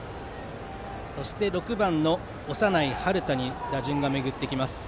そして６番、長内陽大に打順がめぐってきます。